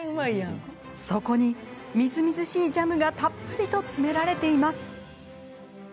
そこに、みずみずしいジャムがたっぷりと詰められています。